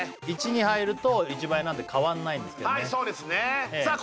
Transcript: １に入ると１倍なんで変わんないんですけどねさあ